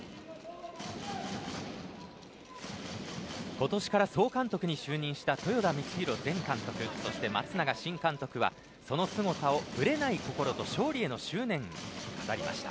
今年から総監督に就任した豊田充浩前監督そして松永新監督はそのすごさをぶれない心と勝利への執念と語りました。